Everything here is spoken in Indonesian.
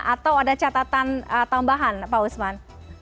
atau ada catatan tambahan pak usman